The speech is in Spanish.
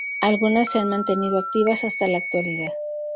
Algunas se han mantenido activas hasta la actualidad.